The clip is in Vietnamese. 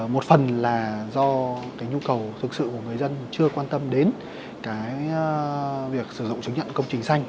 một phần là do cái nhu cầu thực sự của người dân chưa quan tâm đến cái việc sử dụng chứng nhận công trình xanh